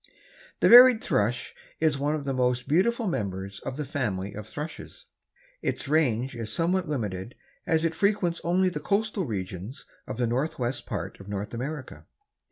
_) The Varied Thrush is one of the most beautiful members of the family of thrushes. Its range is somewhat limited as it frequents only the coastal regions of the northwestern part of North America.